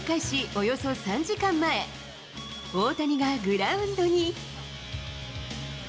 およそ３時間前、大谷がグラウンドに。